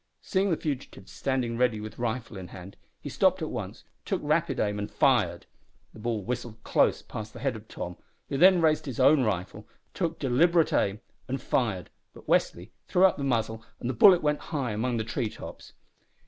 Seeing the fugitive standing ready with rifle in hand, he stopped at once, took rapid aim, and fired. The ball whistled close past the head of Tom, who then raised his own rifle, took deliberate aim, and fired, but Westly threw up the muzzle and the bullet went high among the tree tops.